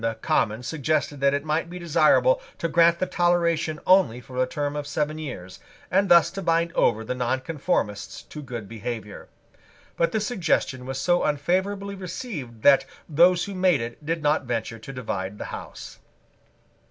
Some zealous churchmen in the Commons suggested that it might be desirable to grant the toleration only for a term of seven years, and thus to bind over the nonconformists to good behaviour. But this suggestion was so unfavourably received that those who made it did not venture to divide the House.